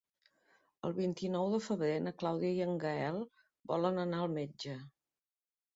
El vint-i-nou de febrer na Clàudia i en Gaël volen anar al metge.